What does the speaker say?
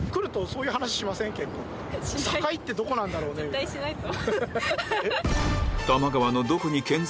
絶対しないぞ。